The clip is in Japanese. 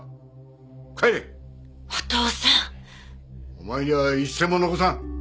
お前には一銭も残さん。